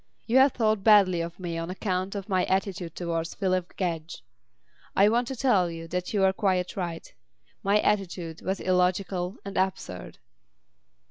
You have thought badly of me on account of my attitude towards Phyllis Gedge. I want to tell you that you were quite right. My attitude was illogical and absurd."